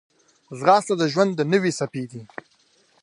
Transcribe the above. ځغاسته د ژوند د نوې څپې